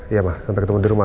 iya mah sampai ketemu di rumah